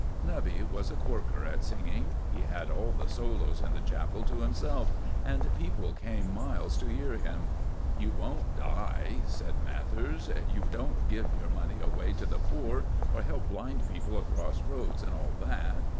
Nubby was a corker at singing. He had all the solos in the chapel to himself, and people came miles to hear him. "You won't die," said Mathers. "You don't give your money away to the poor, or help blind people across roads, and all that.